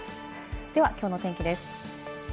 ではきょうの天気です。